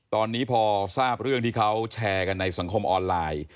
ตอนนี้พอทราบเรื่องที่เขาแชร์กันในสังคมออนไลน์